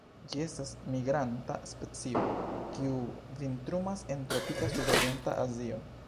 Ĝi estas migranta specio, kiu vintrumas en tropika sudorienta Azio.